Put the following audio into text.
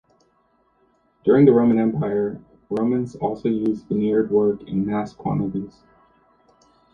During the Roman Empire, Romans also used veneered work in mass quantities.